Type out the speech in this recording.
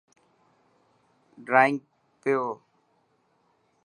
ڊرانگ پيو.